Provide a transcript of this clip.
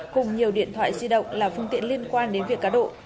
cùng nhiều điện thoại di động là phương tiện liên quan đến việc cá độ